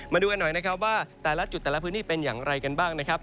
มาดูกันหน่อยนะครับว่าแต่ละจุดแต่ละพื้นที่เป็นอย่างไรกันบ้างนะครับ